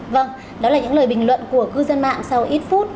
vâng đó là những lời bình luận của cư dân mạng sau ít phút